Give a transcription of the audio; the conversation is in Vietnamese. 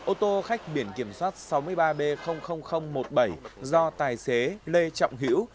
ô tô khách biển kiểm soát sáu mươi ba b một mươi bảy do tài xế lê trọng hữu